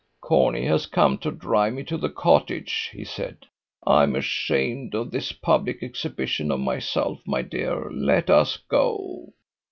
"Corney has come to drive me to the cottage," he said. "I am ashamed of this public exhibition of myself, my dear. Let us go.